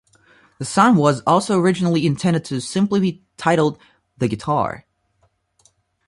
The song was also originally intended to simply be titled "The Guitar".